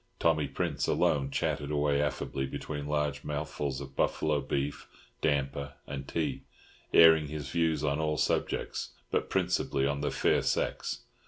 Tommy Prince alone chatted away affably between large mouthfuls of buffalo beef, damper, and tea, airing his views on all subjects, but principally on the fair sex.